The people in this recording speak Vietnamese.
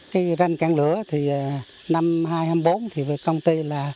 cái ranh canh lửa thì năm hai nghìn bốn thì công ty là